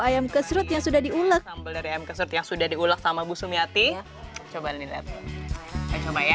ayam kesrut yang sudah diulek dari yang kesetia sudah diulek sama bu sumiati coba lihat coba ya